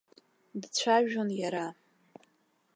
Дцәажәон иара.